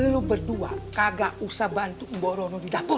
lu berdua kagak usah bantu borono di dapur